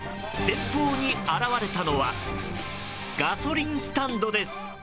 前方に現れたのはガソリンスタンドです。